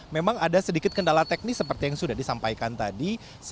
memang ada sedikit kendala teknis seperti yang sudah disampaikan tadi